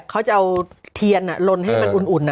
เขาจะเอาเทียนลนให้มันอุ่น